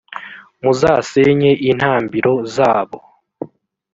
muzasenye intambiro zabo,